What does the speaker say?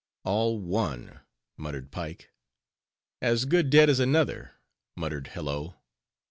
"All one," muttered Pike. "As good dead as another," muttered Hello.